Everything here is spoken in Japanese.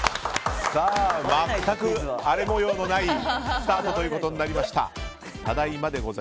全く荒れ模様のないスタートとなりました。